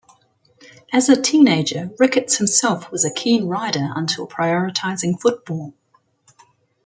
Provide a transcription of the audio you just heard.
As a teenager, Ricketts himself was a keen rider until prioritising football.